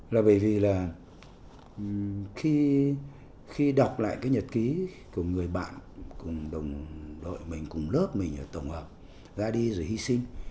là bởi vì là khi đọc lại cái nhật ký của người bạn cùng đồng đội mình cùng lớp mình tổng hợp ra đi rồi hy sinh